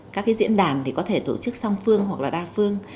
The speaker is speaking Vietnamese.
các cái diễn đàn thì có thể tổ chức song phương hoặc là đa phương